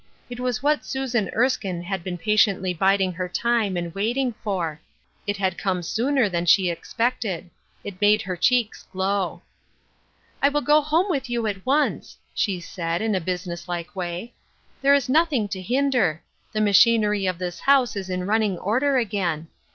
It was what Susan Erskine had been patiently biding her time and waiting for. It had come sooner than she expected. It made her cheeks glow. " I will go home with you at once," she said, in a business like way, "There is nothing tt? hinder. The machinery of this house is in run ning order again.